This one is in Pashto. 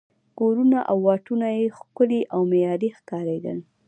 کورونه او واټونه یې ښکلي او معیاري ښکارېدل.